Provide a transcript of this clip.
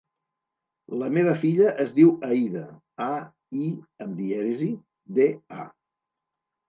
La meva filla es diu Aïda: a, i amb dièresi, de, a.